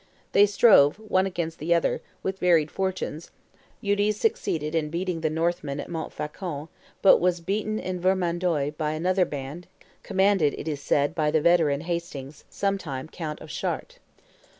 They strove, one against the other, with varied fortunes; Eudes succeeded in beating the Northmen at Montfaucon, but was beaten in Vermandois by another band, commanded, it is said, by the veteran Hastings, sometime count of Chartres.